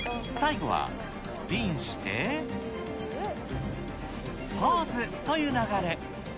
最後はスピンしてポーズという流れ。